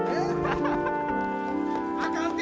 あかんて！